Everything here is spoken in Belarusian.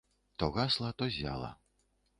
То гасла, то ззяла.